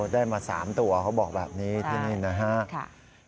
ได้มา๓ตัวเขาบอกแบบนี้ที่นี่นะครับ